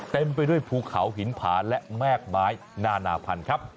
เต็มไปด้วยภูเขาหินผาและแม่กไม้นานาพันธุ์ครับ